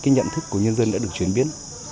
nhận thức của nhân dân đã được truyền biến